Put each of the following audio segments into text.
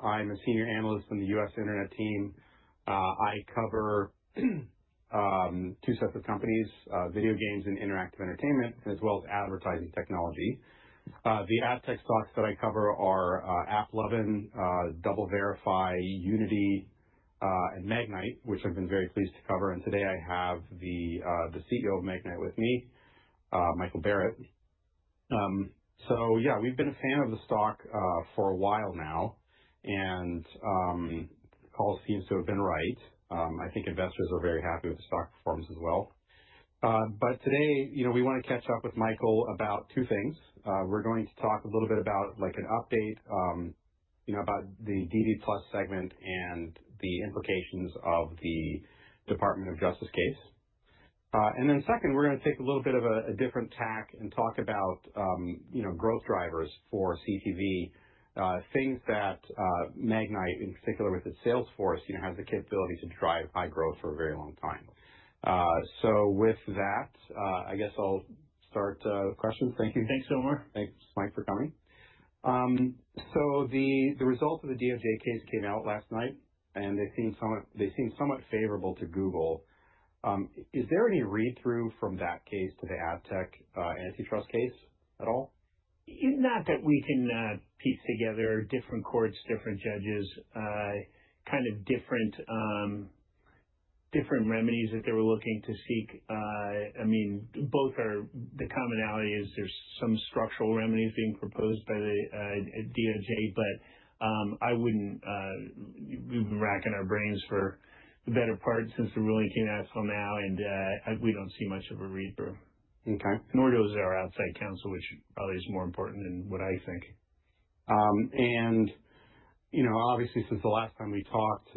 I'm a senior analyst on the US Internet team. I cover two sets of companies, video games and interactive entertainment, as well as advertising technology. The ad tech stocks that I cover are AppLovin, DoubleVerify, Unity, and Magnite, which I've been very pleased to cover. And today I have the CEO of Magnite with me, Michael Barrett. So yeah, we've been a fan of the stock for a while now, and all seems to have been right. I think investors are very happy with the stock performance as well. But today, you know, we wanna catch up with Michael about two things. We're going to talk a little bit about, like, an update, you know, about the DV+ segment and the implications of the Department of Justice case. And then second, we're gonna take a little bit of a different tack and talk about, you know, growth drivers for CTV. Things that Magnite, in particular with its sales force, you know, has the capability to drive high growth for a very long time. So with that, I guess I'll start with questions. Thank you. Thanks so much. Thanks, Mike, for coming. The result of the DOJ case came out last night, and they seem somewhat favorable to Google. Is there any read-through from that case to the ad tech antitrust case at all? Not that we can piece together different courts, different judges, kind of different, different remedies that they were looking to seek. I mean, both are. The commonality is there's some structural remedies being proposed by the DOJ, but I wouldn't, we've been racking our brains for the better part since the ruling came out so now, and we don't see much of a read-through. Okay. Nor does our outside counsel, which probably is more important than what I think. And you know, obviously since the last time we talked,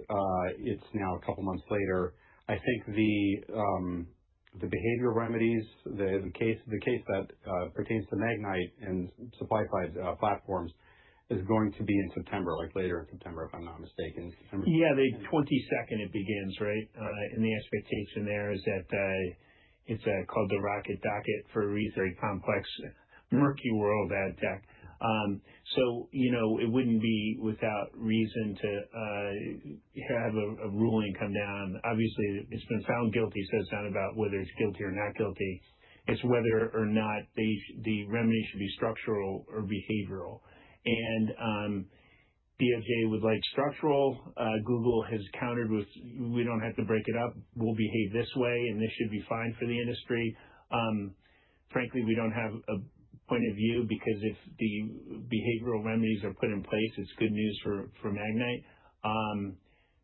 it's now a couple of months later. I think the behavioral remedies, the case that pertains to Magnite and supply-side platforms, is going to be in September, like later in September, if I'm not mistaken. Yeah, the 22nd it begins, right? The expectation there is that it's called the Rocket Docket for a reason. Very complex, murky world, ad tech. So, you know, it wouldn't be without reason to have a ruling come down. Obviously, it's been found guilty, so it's not about whether it's guilty or not guilty. It's whether or not the remedy should be structural or behavioral. DOJ would like structural. Google has countered with, "We don't have to break it up. We'll behave this way, and this should be fine for the industry." Frankly, we don't have a point of view because if the behavioral remedies are put in place, it's good news for Magnite.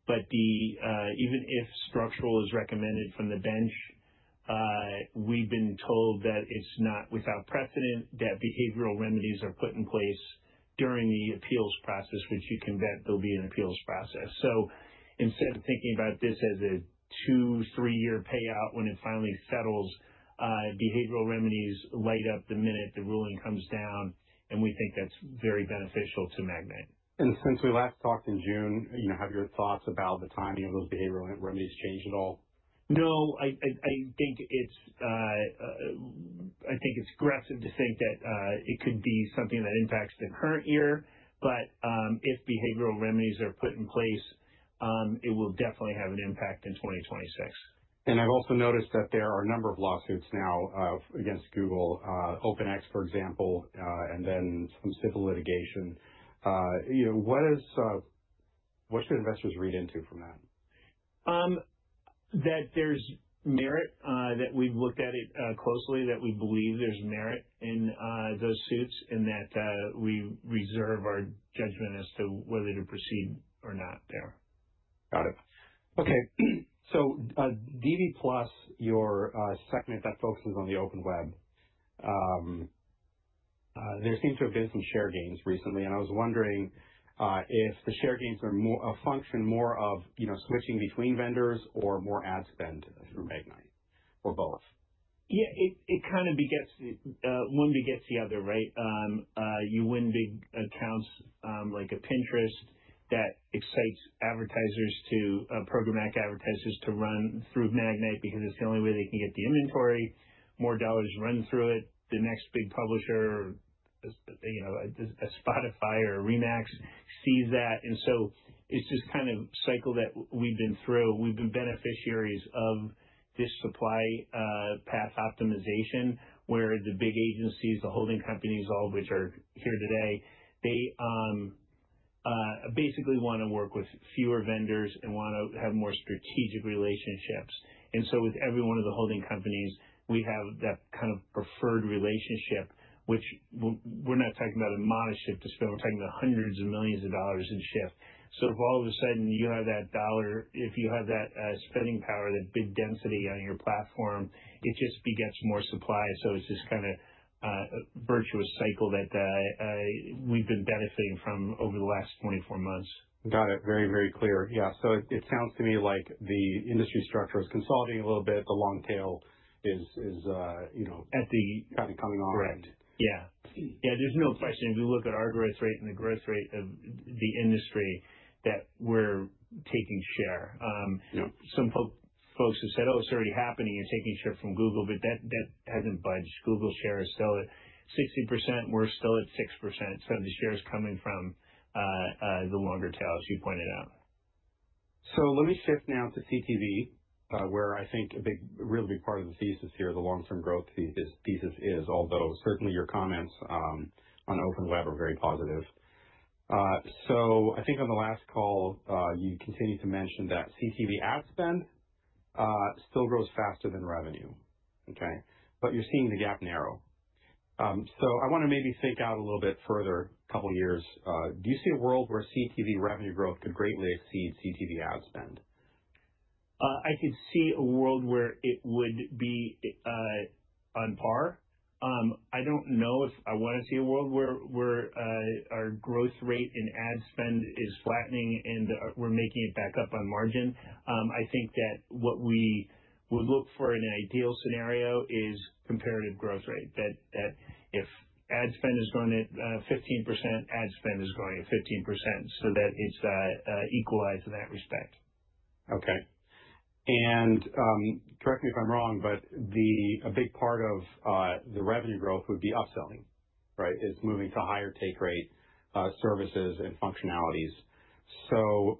But even if structural is recommended from the bench, we've been told that it's not without precedent, that behavioral remedies are put in place during the appeals process, which you can bet there'll be an appeals process. So instead of thinking about this as a two- to three-year payout when it finally settles, behavioral remedies light up the minute the ruling comes down, and we think that's very beneficial to Magnite. Since we last talked in June, you know, have your thoughts about the timing of those behavioral remedies changed at all? No, I think it's aggressive to think that it could be something that impacts the current year, but if behavioral remedies are put in place, it will definitely have an impact in 2026. I've also noticed that there are a number of lawsuits now against Google, OpenX, for example, and then some civil litigation. You know, what is, what should investors read into from that? That there's merit, that we've looked at it closely, that we believe there's merit in those suits, and that we reserve our judgment as to whether to proceed or not there. Got it. Okay. So, DV+, your segment that focuses on the open web. There seems to have been some share gains recently, and I was wondering if the share gains are more a function of, you know, switching between vendors or more ad spend through Magnite, or both? Yeah, it kind of begets one begets the other, right? You win big accounts like a Pinterest that excites advertisers to programmatic advertisers to run through Magnite because it's the only way they can get the inventory. More dollars run through it, the next big publisher, you know, a Spotify or a RE/MAX sees that, and so it's just kind of cycle that we've been through. We've been beneficiaries of this supply path optimization, where the big agencies, the holding companies, all which are here today, they basically wanna work with fewer vendors and wanna have more strategic relationships. And so with every one of the holding companies, we have that kind of preferred relationship, which we're not talking about a modest shift to spend, we're talking about hundreds of millions of dollars in shift. So if all of a sudden, you have that dollar, if you have that, spending power, that big density on your platform, it just begets more supply. So it's this kind of, virtuous cycle that, we've been benefiting from over the last 24 months. Got it. Very, very clear. Yeah. So it sounds to me like the industry structure is consolidating a little bit. The long tail is, you know- At the Kind of coming on. Correct. Yeah. Yeah, there's no question. If you look at our growth rate and the growth rate of the industry, that we're taking share. Yep. folks who said, "Oh, it's already happening and taking share from Google," but that hasn't budged. Google share is still at 60%, we're still at 6%, so the share is coming from the longer tail, as you pointed out. So let me shift now to CTV, where I think a big, a really big part of the thesis here, the long-term growth thesis is, although certainly your comments on open web are very positive. So I think on the last call, you continued to mention that CTV ad spend still grows faster than revenue. Okay? But you're seeing the gap narrow. So I wanna maybe think out a little bit further, a couple of years. Do you see a world where CTV revenue growth could greatly exceed CTV ad spend? I could see a world where it would be on par. I don't know if I wanna see a world where our growth rate in ad spend is flattening and we're making it back up on margin. I think that what we would look for in an ideal scenario is comparative growth rate, that if ad spend is growing at 15%, ad spend is growing at 15%, so that it's equalized in that respect. Okay. And correct me if I'm wrong, but a big part of the revenue growth would be upselling, right? It's moving to higher take rate services and functionalities. So,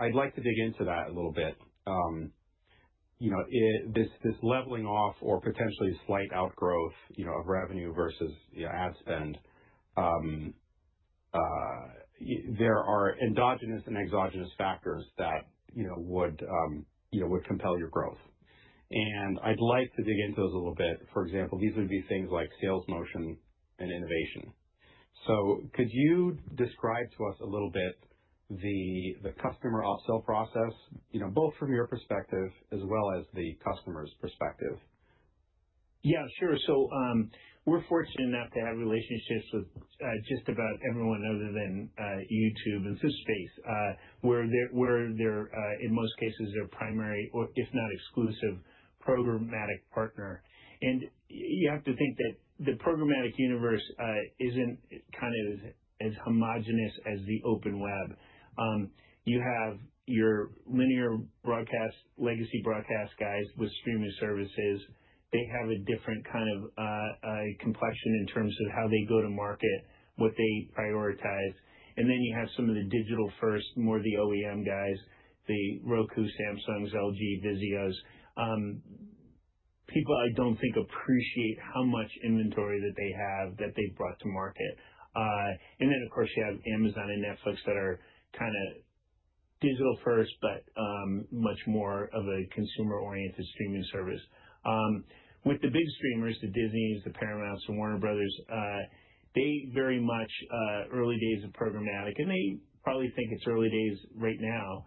I'd like to dig into that a little bit. You know, this leveling off or potentially slight outgrowth, you know, of revenue versus ad spend, there are endogenous and exogenous factors that, you know, would compel your growth. And I'd like to dig into those a little bit. For example, these would be things like sales motion and innovation. So could you describe to us a little bit the customer upsell process, you know, both from your perspective as well as the customer's perspective? Yeah, sure. So, we're fortunate enough to have relationships with just about everyone other than YouTube and this space, we're their in most cases their primary or if not exclusive programmatic partner. And you have to think that the programmatic universe isn't kind of as homogeneous as the open web. You have your linear broadcast, legacy broadcast guys with streaming services. They have a different kind of complexion in terms of how they go to market, what they prioritize. And then you have some of the digital first, more of the OEM guys, the Roku, Samsungs, LG, Vizios. People I don't think appreciate how much inventory that they have that they've brought to market. And then, of course, you have Amazon and Netflix that are kind of digital first, but much more of a consumer-oriented streaming service. With the big streamers, the Disneys, the Paramounts, the Warner Bros., they very much early days of programmatic, and they probably think it's early days right now,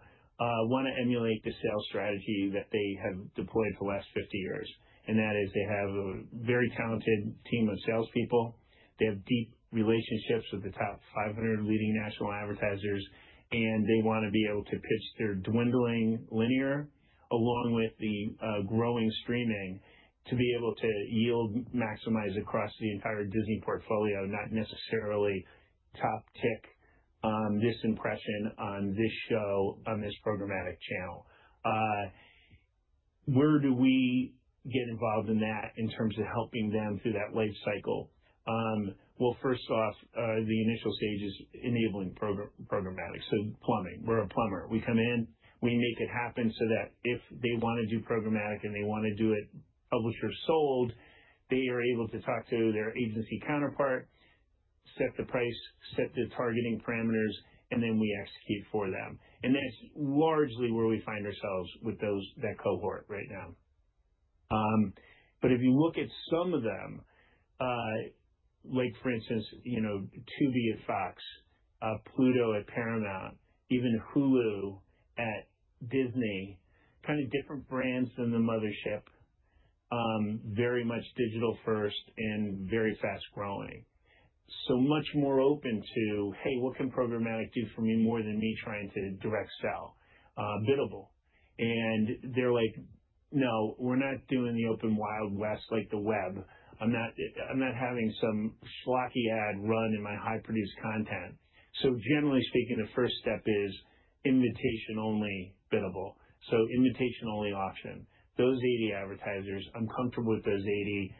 wanna emulate the sales strategy that they have deployed for the last 50 years. And that is, they have a very talented team of salespeople. They have deep relationships with the top 500 leading national advertisers, and they wanna be able to pitch their dwindling linear, along with the growing streaming, to be able to yield maximize across the entire Disney portfolio, not necessarily top tick on this impression, on this show, on this programmatic channel. Where do we get involved in that in terms of helping them through that life cycle? Well, first off, the initial stage is enabling programmatic, so plumbing. We're a plumber. We come in, we make it happen so that if they wanna do programmatic and they wanna do it, publisher sold, they are able to talk to their agency counterpart, set the price, set the targeting parameters, and then we execute for them. And that's largely where we find ourselves with those, that cohort right now. But if you look at some of them, like for instance, you know, Tubi at Fox, Pluto at Paramount, even Hulu at Disney, kind of different brands than the mothership, very much digital first and very fast-growing. So much more open to, "Hey, what can programmatic do for me more than me trying to direct sell? Biddable." And they're like, "No, we're not doing the open Wild West like the web. I'm not, I'm not having some schlocky ad run in my high-produced content." So generally speaking, the first step is invitation only biddable, so invitation only auction. Those 80 advertisers, I'm comfortable with those 80.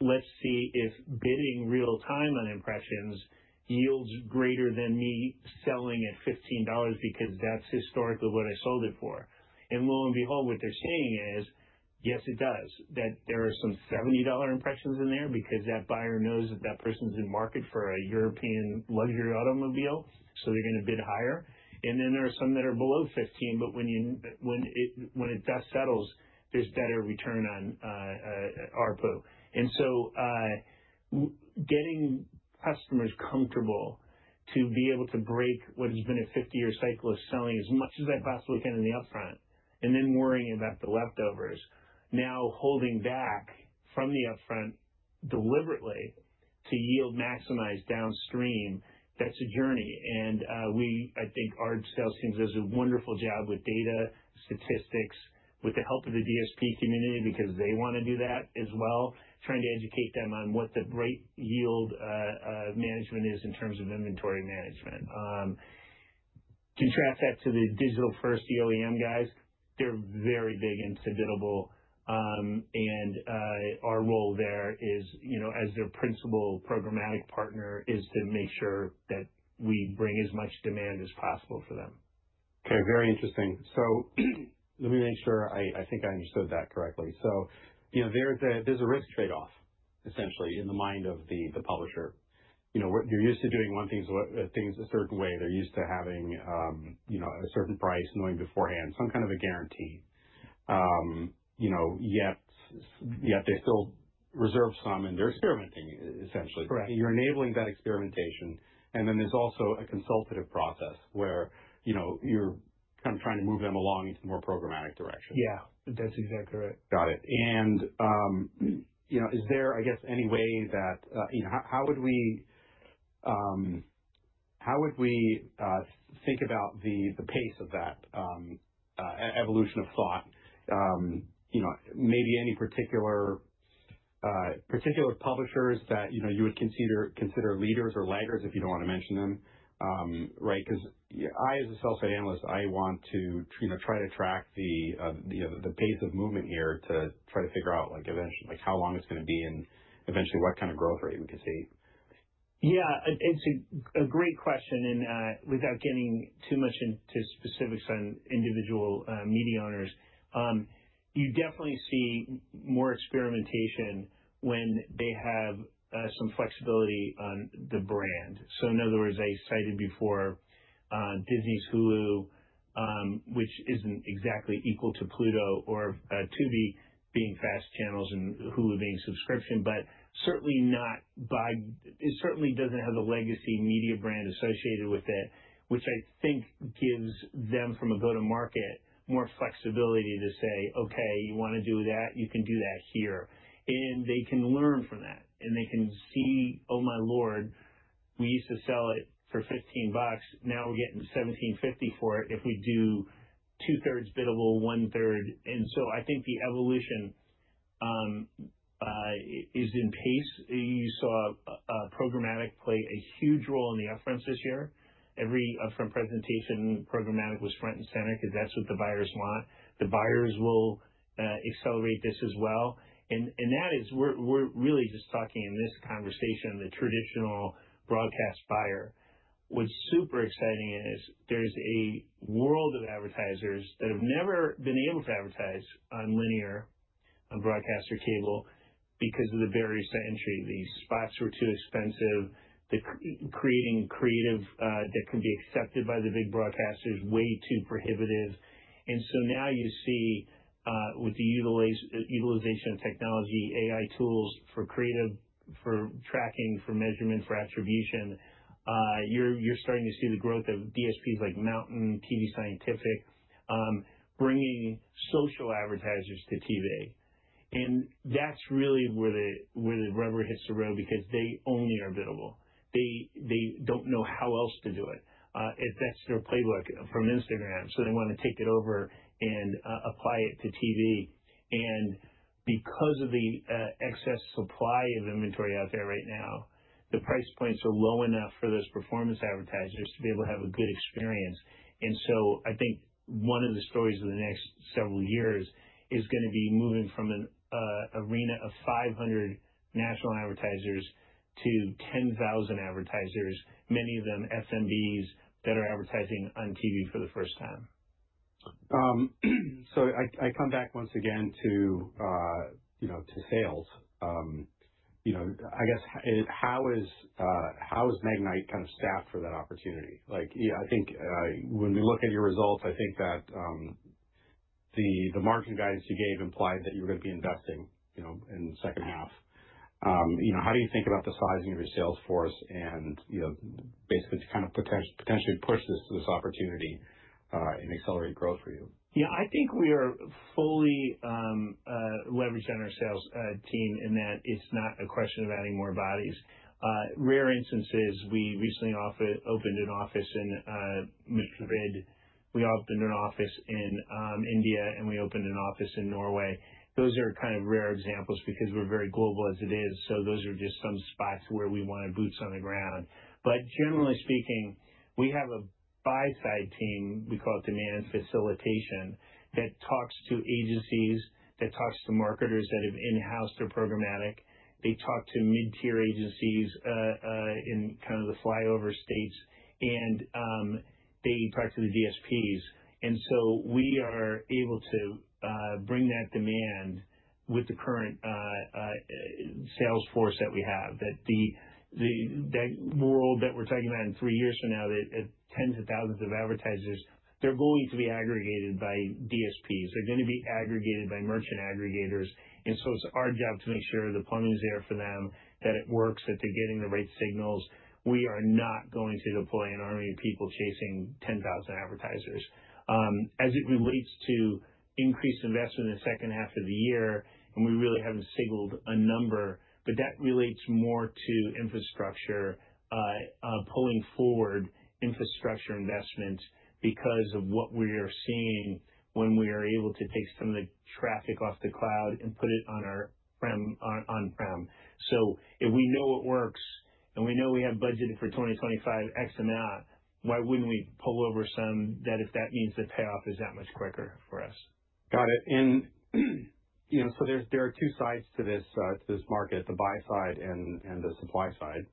Let's see if bidding real time on impressions yields greater than me selling at $15, because that's historically what I sold it for. And lo and behold, what they're saying is, "Yes, it does." That there are some $70 impressions in there because that buyer knows that that person's in market for a European luxury automobile, so they're gonna bid higher. And then there are some that are below $15, but when the dust settles, there's better return on ARPU. Getting customers comfortable to be able to break what has been a fifty-year cycle of selling as much as I possibly can in the Upfront, and then worrying about the leftovers. Now, holding back from the Upfront deliberately to yield maximize downstream, that's a journey. I think our sales team does a wonderful job with data, statistics, with the help of the DSP community, because they wanna do that as well, trying to educate them on what the right yield management is in terms of inventory management. Contrast that to the digital first OEM guys, they're very big and biddable. Our role there is, you know, as their principal programmatic partner, is to make sure that we bring as much demand as possible for them. Okay, very interesting, so let me make sure I think I understood that correctly. So, you know, there's a risk trade-off, essentially, in the mind of the publisher. You know, we're-- they're used to doing things a certain way. They're used to having, you know, a certain price knowing beforehand, some kind of a guarantee. You know, yet they still reserve some, and they're experimenting, essentially. Correct. You're enabling that experimentation, and then there's also a consultative process where, you know, you're kind of trying to move them along into more programmatic direction. Yeah, that's exactly right. Got it. And, you know, is there, I guess, any way that, you know, how would we, how would we, think about the pace of that evolution of thought? You know, maybe any particular publishers that, you know, you would consider leaders or laggards if you don't want to mention them? Right, 'cause I, as a sell-side analyst, I want to, you know, try to track the pace of movement here to try to figure out, like, eventually, like, how long it's gonna be and eventually what kind of growth rate we can see. Yeah, it's a great question, and without getting too much into specifics on individual media owners, you definitely see more experimentation when they have some flexibility on the brand. So in other words, I cited before Disney's Hulu, which isn't exactly equal to Pluto or Tubi, being fast channels and Hulu being subscription, but certainly not. It certainly doesn't have the legacy media brand associated with it, which I think gives them, from a go-to-market, more flexibility to say, "Okay, you wanna do that? You can do that here." And they can learn from that, and they can see, oh, my lord, we used to sell it for $15, now we're getting $17.50 for it if we do two-thirds billable, one-third. And so I think the evolution is in place. You saw programmatic play a huge role in the upfront this year. Every upfront presentation, programmatic was front and center 'cause that's what the buyers want. The buyers will accelerate this as well, and that is we're really just talking in this conversation, the traditional broadcast buyer. What's super exciting is there's a world of advertisers that have never been able to advertise on linear, on broadcast or cable because of the barriers to entry. The spots were too expensive. The creating creative that could be accepted by the big broadcasters, way too prohibitive. And so now you see with the utilization of technology, AI tools for creative, for tracking, for measurement, for attribution, you're starting to see the growth of DSPs like MNTN, tvScientific, bringing social advertisers to TV. And that's really where the rubber hits the road because they only are biddable. They don't know how else to do it. That's their playbook from Instagram, so they want to take it over and apply it to TV. And because of the excess supply of inventory out there right now, the price points are low enough for those performance advertisers to be able to have a good experience. And so I think one of the stories of the next several years is gonna be moving from an arena of 500 national advertisers to ten thousand advertisers, many of them SMBs that are advertising on TV for the first time. So I come back once again to, you know, to sales. You know, I guess, how is Magnite kind of staffed for that opportunity? Like, yeah, I think, when we look at your results, I think that the margin guidance you gave implied that you were gonna be investing, you know, in the second half. You know, how do you think about the sizing of your sales force and, you know, basically to kind of potentially push this opportunity and accelerate growth for you? Yeah, I think we are fully leveraged on our sales team, and that it's not a question of adding more bodies. In rare instances, we recently opened an office in India, and we opened an office in Norway. Those are kind of rare examples because we're very global as it is, so those are just some spots where we wanted boots on the ground. But generally speaking, we have a buy-side team, we call it demand facilitation, that talks to agencies, that talks to marketers that have in-house their programmatic. They talk to mid-tier agencies in kind of the flyover states, and they talk to the DSPs. And so we are able to bring that demand with the current sales force that we have. That world that we're talking about in three years from now, that 10,000 of advertisers, they're going to be aggregated by DSPs. They're gonna be aggregated by merchant aggregators, and so it's our job to make sure the plumbing is there for them, that it works, that they're getting the right signals. We are not going to deploy an army of people chasing 10,000 advertisers. As it relates to increased investment in the second half of the year, and we really haven't signaled a number, but that relates more to infrastructure, pulling forward infrastructure investments because of what we are seeing when we are able to take some of the traffic off the cloud and put it on on-prem. So if we know it works, and we know we have budgeted for 2025x amount, why wouldn't we pull over some that if that means the payoff is that much quicker for us? Got it. And, you know, so there are two sides to this market, the buy side and the supply side.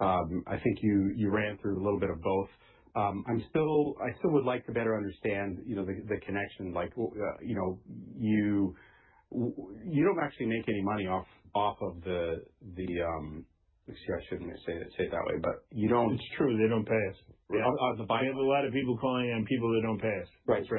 I think you ran through a little bit of both. I still would like to better understand, you know, the connection, like, you know, you don't actually make any money off of the, actually I shouldn't say it that way, but you don't- It's true. They don't pay us. Right. On the buy, I have a lot of people calling in, people that don't pay us. Right. That's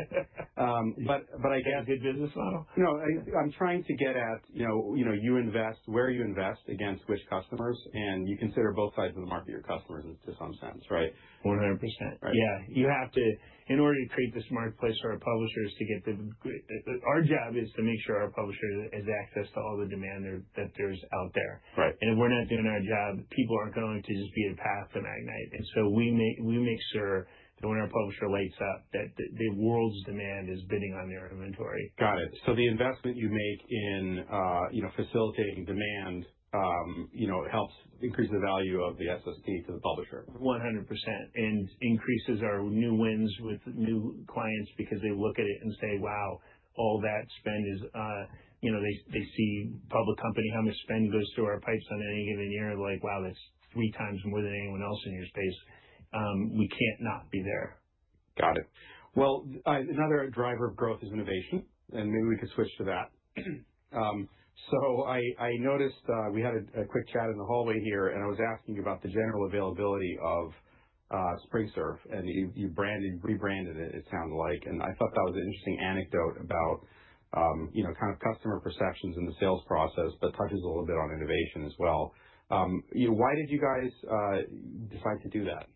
right. But I guess Good business model? No, I'm trying to get at, you know, you invest where you invest against which customers, and you consider both sides of the market your customers to some sense, right? 100%. Right. Yeah. You have to... In order to create this marketplace for our publishers to get the, our job is to make sure our publisher has access to all the demand that's out there. Right. And if we're not doing our job, people aren't going to just be in path to Magnite. And so we make sure that when our publisher lights up, the world's demand is bidding on their inventory. Got it. So the investment you make in, you know, facilitating demand, you know, helps increase the value of the SSP to the publisher. 100%, and increases our new wins with new clients because they look at it and say: "Wow, all that spend is..." You know, they see public company, how much spend goes through our pipes on any given year, like, wow, that's three times more than anyone else in your space. We can't not be there. Got it. Well, another driver of growth is innovation, and maybe we could switch to that. So I noticed we had a quick chat in the hallway here, and I was asking you about the general availability of SpringServe, and you branded, rebranded it, it sounded like. And I thought that was an interesting anecdote about you know, kind of customer perceptions in the sales process, but touches a little bit on innovation as well. You know, why did you guys decide to do that?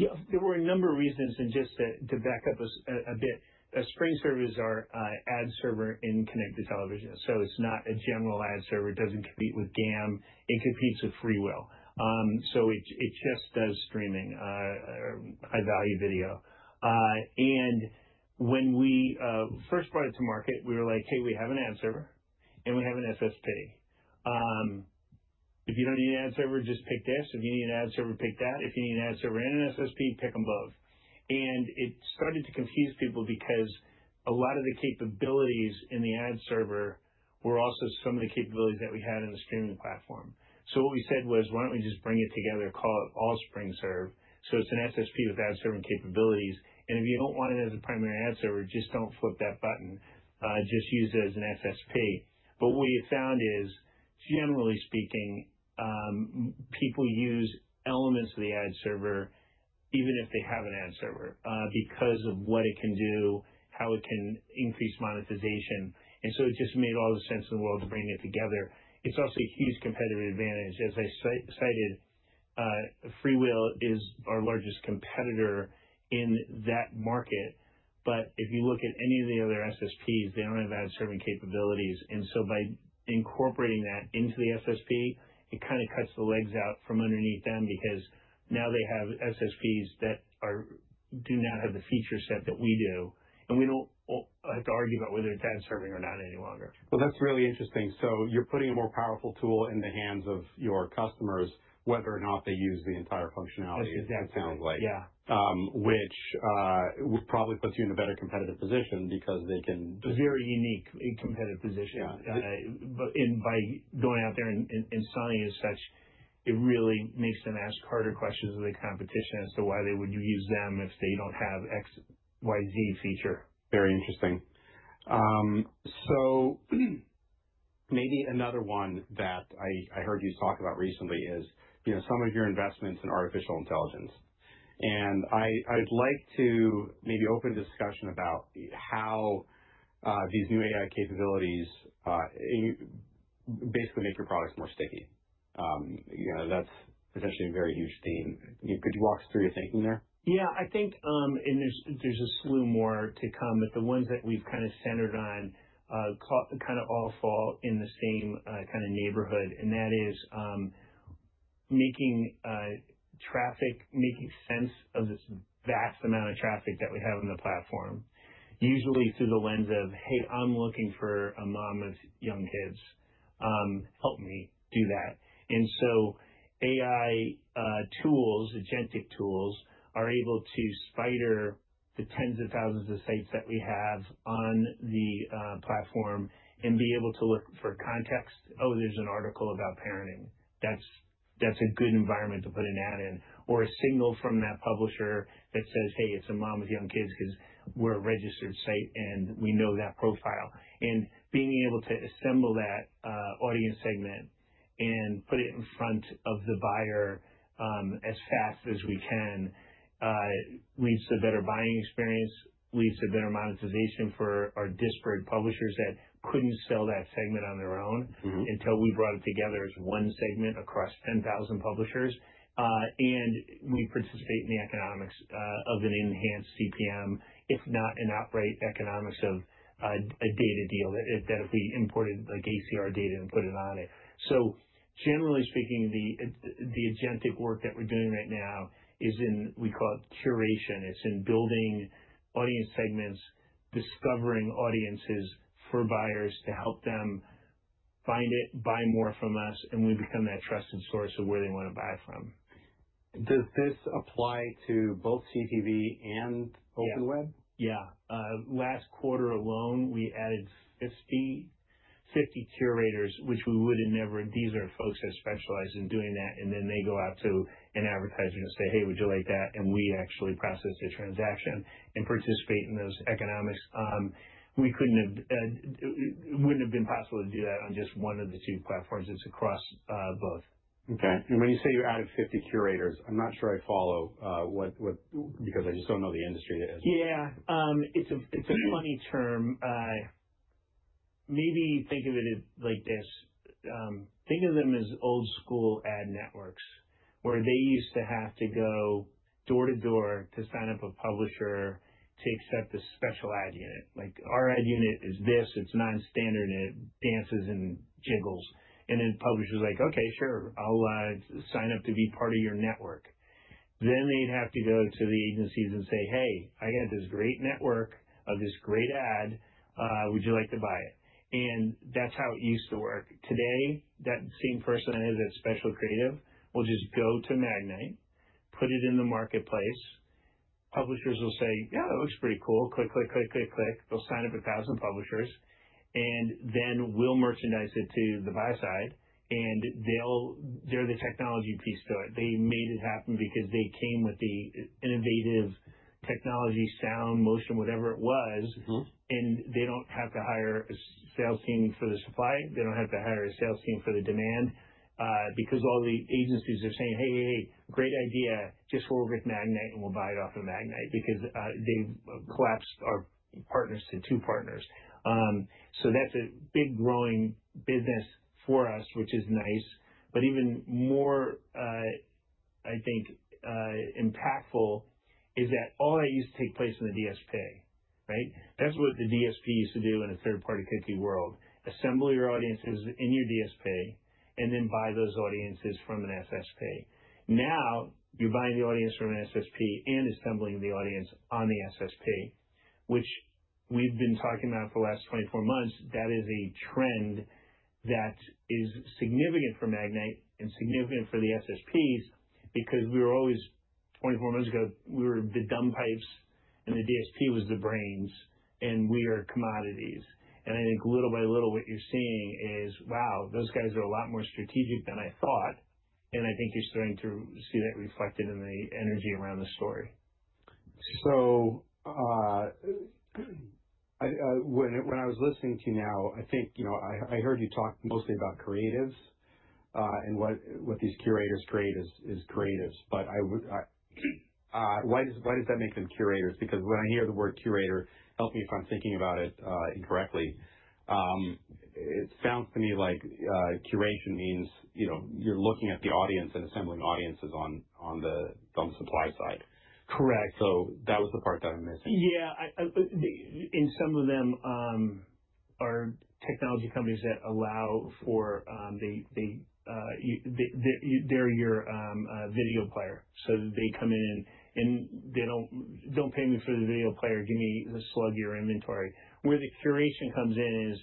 Yeah, there were a number of reasons, and just to back up a bit, SpringServe is our ad server in connected television, so it's not a general ad server. It doesn't compete with GAM, it competes with FreeWheel. So it just does streaming, high-value video, and when we first brought it to market, we were like: "Hey, we have an ad server, and we have an SSP. If you don't need an ad server, just pick this. If you need an ad server, pick that. If you need an ad server and an SSP, pick them both," and it started to confuse people because a lot of the capabilities in the ad server were also some of the capabilities that we had in the streaming platform. So what we said was, "Why don't we just bring it together, call it all SpringServe? So it's an SSP with ad serving capabilities, and if you don't want it as a primary ad server, just don't flip that button. Just use it as an SSP." But what we found is, generally speaking, people use elements of the ad server even if they have an ad server, because of what it can do, how it can increase monetization. And so it just made all the sense in the world to bring it together. It's also a huge competitive advantage. As I cited, FreeWheel is our largest competitor in that market, but if you look at any of the other SSPs, they don't have ad-serving capabilities. And so by incorporating that into the SSP, it kind of cuts the legs out from underneath them because now they have SSPs that are... do not have the feature set that we do, and we don't have to argue about whether it's ad serving or not any longer. That's really interesting. You're putting a more powerful tool in the hands of your customers, whether or not they use the entire functionality- Exactly. It sounds like. Yeah. which, probably puts you in a better competitive position because they can- Very unique and competitive position. Yeah. But by going out there and selling as such, it really makes them ask harder questions of the competition as to why they would use them if they don't have X, Y, Z feature. Very interesting. So maybe another one that I heard you talk about recently is, you know, some of your investments in artificial intelligence. And I'd like to maybe open a discussion about how these new AI capabilities and basically make your products more sticky. You know, that's essentially a very huge theme. Could you walk us through your thinking there? Yeah, I think, and there's a slew more to come, but the ones that we've kind of centered on, kind of all fall in the same kind of neighborhood, and that is, making sense of this vast amount of traffic that we have on the platform, usually through the lens of, hey, I'm looking for a mom of young kids, help me do that. And so AI tools, agentic tools, are able to spider the tens of thousands of sites that we have on the platform and be able to look for context. Oh, there's an article about parenting. That's a good environment to put an ad in or a signal from that publisher that says, "Hey, it's a mom of young kids," 'cause we're a registered site, and we know that profile. And being able to assemble that audience segment and put it in front of the buyer, as fast as we can, leads to a better buying experience, leads to better monetization for our disparate publishers that couldn't sell that segment on their own- Mm-hmm. until we brought it together as one segment across 10,000 publishers, and we participate in the economics of an enhanced CPM, if not an outright economics of a data deal that if we imported, like, ACR data and put it on it. Generally speaking, the agentic work that we're doing right now is in; we call it curation. It's in building audience segments, discovering audiences for buyers to help them find it, buy more from us, and we become that trusted source of where they want to buy from. Does this apply to both CTV and open web? Yeah. Last quarter alone, we added 50 curators, which we would have never... These are folks that specialize in doing that, and then they go out to an advertiser and say, "Hey, would you like that?" and we actually process the transaction and participate in those economics. We couldn't have. It wouldn't have been possible to do that on just one of the two platforms. It's across both. Okay, and when you say you added fifty curators, I'm not sure I follow, what, because I just don't know the industry as- Yeah. It's a funny term. Maybe think of it as like this. Think of them as old school ad networks, where they used to have to go door to door to sign up a publisher to accept this special ad unit. Like, our ad unit is this, it's non-standard, and it dances and jiggles, and then publisher's like: Okay, sure, I'll sign up to be part of your network. Then, they'd have to go to the agencies and say, "Hey, I got this great network of this great ad. Would you like to buy it?" And that's how it used to work. Today, that same person that has that special creative will just go to Magnite, put it in the marketplace. Publishers will say, "Yeah, it looks pretty cool." Click, click, click, click, click. They'll sign up a thousand publishers, and then we'll merchandise it to the buy side, and they're the technology piece to it. They made it happen because they came with the innovative technology, sound, motion, whatever it was. Mm-hmm. And they don't have to hire a sales team for the supply. They don't have to hire a sales team for the demand, because all the agencies are saying, "Hey, hey, hey, great idea. Just go over to Magnite, and we'll buy it off of Magnite," because they've collapsed our partners to two partners. So that's a big growing business for us, which is nice, but even more, I think, impactful is that all that used to take place in the DSP, right? That's what the DSP used to do in a third-party cookie world, assemble your audiences in your DSP and then buy those audiences from an SSP. Now, you're buying the audience from an SSP and assembling the audience on the SSP, which we've been talking about for the last 24 months. That is a trend that is significant for Magnite and significant for the SSPs, because we were always, 24 months ago, we were the dumb pipes, and the DSP was the brains, and we are commodities, and I think little by little, what you're seeing is: Wow, those guys are a lot more strategic than I thought, and I think you're starting to see that reflected in the energy around the story. So, when I was listening to you now, I think, you know, I heard you talk mostly about creatives, and what these curators create is creatives, but why does that make them curators? Because when I hear the word curator, help me if I'm thinking about it incorrectly. It sounds to me like curation means, you know, you're looking at the audience and assembling audiences on the supply side. Correct. So that was the part that I missed. Yeah, and some of them are technology companies that allow for, they're your video player, so they come in, and they don't, "Don't pay me for the video player, give me a slug of your inventory." Where the curation comes in is,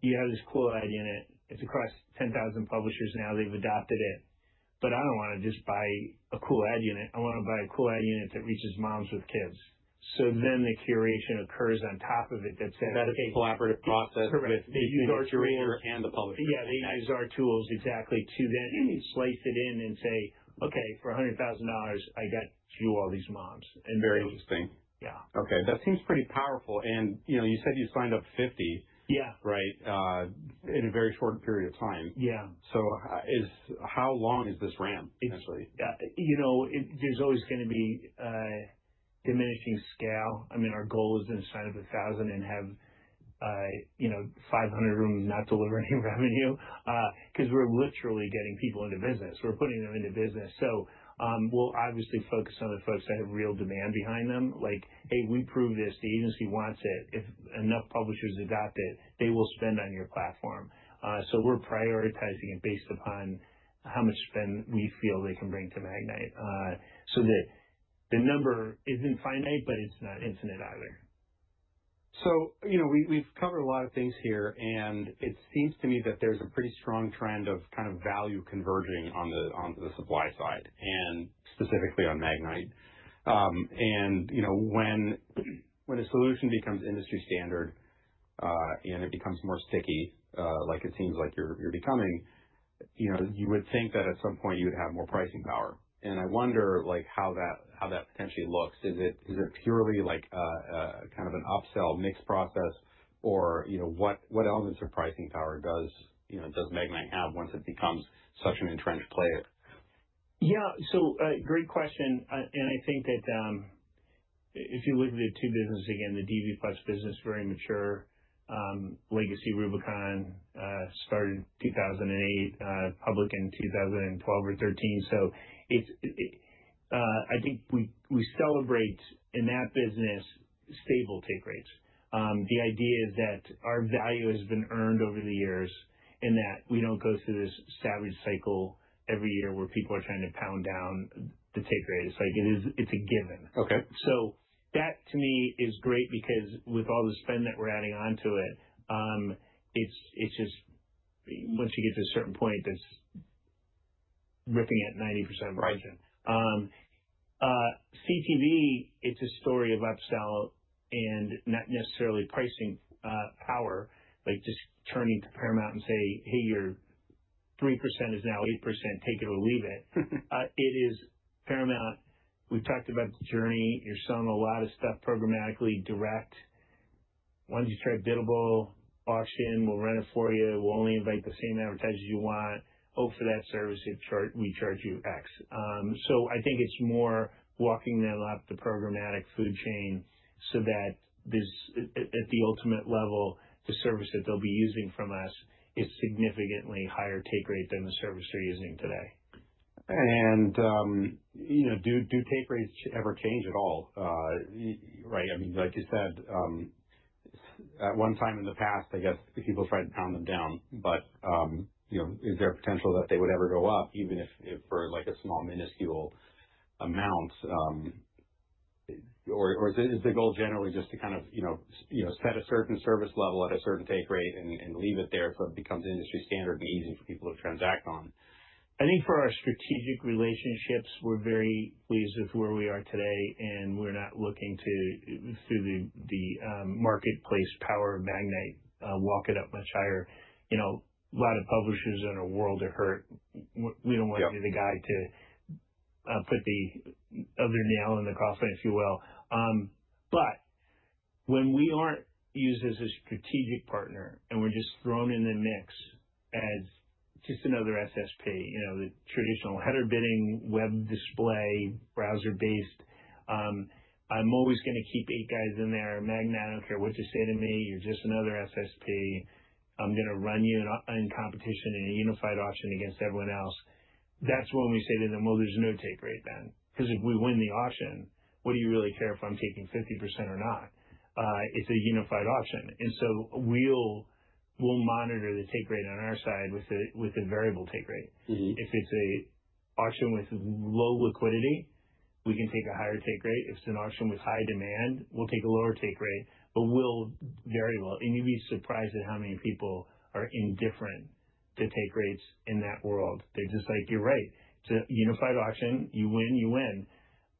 you have this cool ad unit. It's across 10,000 publishers now. They've adopted it. But I don't want to just buy a cool ad unit. I want to buy a cool ad unit that reaches moms with kids. So then the curation occurs on top of it that says- That's a collaborative process- Correct. with the curator and the publisher. Yeah, they use our tools, exactly, to then slice it in and say, "Okay, for $100,000, I got you all these moms," and- Very interesting. Yeah. Okay, that seems pretty powerful, and you know, you said you signed up fifty. Yeah. Right? In a very short period of time. Yeah. So, how long is this ramp eventually? You know, there's always gonna be a diminishing scale. I mean, our goal is to sign up a thousand and have, you know, five hundred of them not delivering revenue, 'cause we're literally getting people into business. We're putting them into business. So, we'll obviously focus on the folks that have real demand behind them. Like, hey, we proved this. The agency wants it. If enough publishers adopt it, they will spend on your platform. So we're prioritizing it based upon how much spend we feel they can bring to Magnite. So the number isn't finite, but it's not infinite either. So, you know, we've covered a lot of things here, and it seems to me that there's a pretty strong trend of kind of value converging on the supply side and specifically on Magnite. And, you know, when a solution becomes industry standard, and it becomes more sticky, like it seems like you're becoming, you know, you would think that at some point you would have more pricing power, and I wonder, like, how that potentially looks. Is it purely like kind of an upsell mixed process? Or, you know, what elements of pricing power does Magnite have once it becomes such an entrenched player? Yeah, so, great question, and I think that, if you look at the two businesses, again, the DV+ business, very mature, legacy Rubicon, started in 2008, public in 2012 or 2013. So it's, I think we celebrate in that business stable take rates. The idea is that our value has been earned over the years, and that we don't go through this savage cycle every year where people are trying to pound down the take rates. Like, it is, it's a given. Okay. So that to me is great because with all the spend that we're adding on to it, it's just once you get to a certain point, it's ripping at 90% margin. Right. CTV, it's a story of upsell and not necessarily pricing power, like just turning to Paramount and say: Hey, your 3% is now 8%, take it or leave it. It is Paramount. We've talked about the journey. You're selling a lot of stuff programmatically, direct. Why don't you try biddable auction? We'll run it for you. We'll only invite the same advertisers you want. For that service, we charge you X. So I think it's more walking them up the programmatic food chain so that this, at the ultimate level, the service that they'll be using from us is significantly higher take rate than the service they're using today. You know, do take rates ever change at all? Right, I mean, like you said, at one time in the past, I guess people tried to pound them down, but, you know, is there a potential that they would ever go up, even if for like a small, minuscule amount, or is the goal generally just to kind of, you know, you know, set a certain service level at a certain take rate and leave it there so it becomes industry standard and easy for people to transact on? I think for our strategic relationships, we're very pleased with where we are today, and we're not looking to, through the marketplace power of Magnite, walk it up much higher. You know, a lot of publishers in our world are hurt. We don't want- Yeah. to be the guy to put the other nail in the coffin, if you will. But when we aren't used as a strategic partner and we're just thrown in the mix as just another SSP, you know, the traditional header bidding, web display, browser-based, I'm always gonna keep eight guys in there. Magnite, I don't care what you say to me, you're just another SSP. I'm gonna run you in competition in a unified auction against everyone else. That's when we say to them, "Well, there's no take rate then." Because if we win the auction, what do you really care if I'm taking 50% or not? It's a unified auction, and so we'll monitor the take rate on our side with a variable take rate. Mm-hmm. If it's an auction with low liquidity, we can take a higher take rate. If it's an auction with high demand, we'll take a lower take rate, but we'll vary. And you'd be surprised at how many people are indifferent to take rates in that world. They're just like, "You're right. It's a unified auction. You win, you win.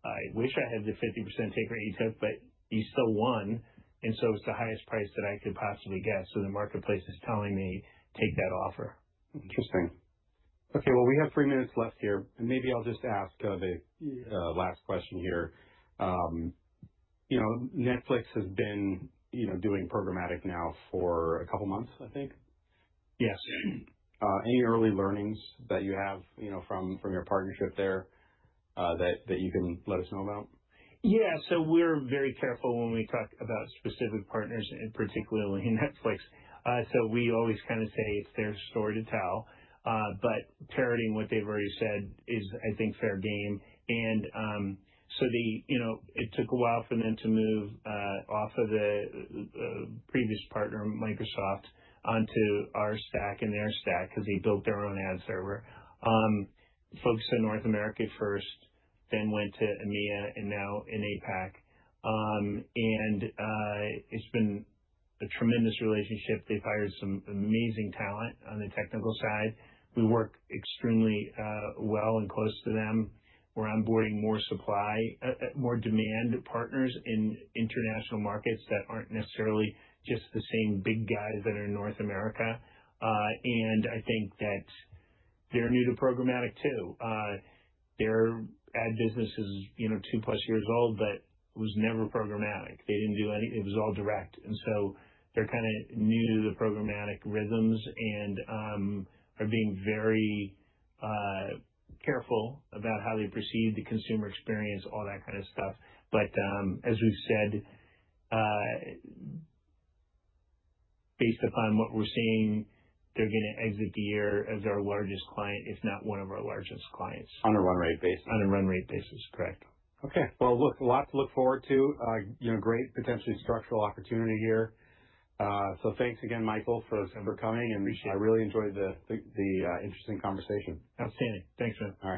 I wish I had the 50% take rate you took, but you still won, and so it's the highest price that I could possibly get. So the marketplace is telling me, take that offer. Interesting. Okay, well, we have three minutes left here. Maybe I'll just ask, the- Yeah. Last question here. You know, Netflix has been, you know, doing programmatic now for a couple of months, I think. Yes. Any early learnings that you have, you know, from your partnership there, that you can let us know about? Yeah. So we're very careful when we talk about specific partners, and particularly in Netflix. So we always kind of say it's their story to tell. But parroting what they've already said is, I think, fair game. And, you know, it took a while for them to move off of the previous partner, Microsoft, onto our stack and their stack because they built their own ad server. Focused on North America first, then went to EMEA, and now in APAC. And it's been a tremendous relationship. They've hired some amazing talent on the technical side. We work extremely well and close to them. We're onboarding more supply, more demand partners in international markets that aren't necessarily just the same big guys that are in North America. And I think that they're new to programmatic, too. Their ad business is, you know, two-plus years old, but was never programmatic. They didn't do any. It was all direct, and so they're kind of new to the programmatic rhythms and are being very careful about how they proceed, the consumer experience, all that kind of stuff. But, as we've said, based upon what we're seeing, they're gonna exit the year as our largest client, if not one of our largest clients. On a run rate basis? On a run rate basis, correct. Okay, well, look, a lot to look forward to. You know, great potentially structural opportunity here. So thanks again, Michael, for coming- Appreciate it. And I really enjoyed the interesting conversation. Outstanding. Thanks, man. All right.